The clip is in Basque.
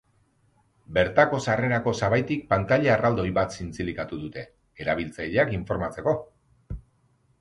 Bertako sarrerako sabaitik pantaila erraldoi bat zintzilikatu dute, erabiltzaileak informatzeko.